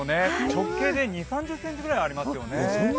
直径で２０３０ｃｍありますよね。